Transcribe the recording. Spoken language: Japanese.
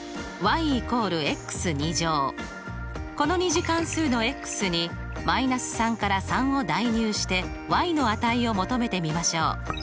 この２次関数のに−３から３を代入しての値を求めてみましょう。